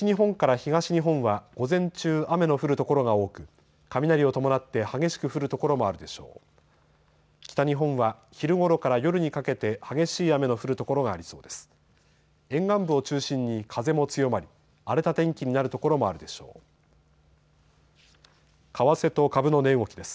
北日本は昼ごろから夜にかけて激しい雨の降る所がありそうです。